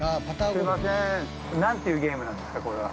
何ていうゲームなんですかこれは。